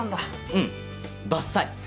うんばっさり。